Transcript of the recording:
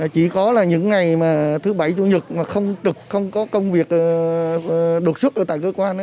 chỉ có là những ngày thứ bảy chủ nhật mà không có công việc đột xuất ở tại cơ quan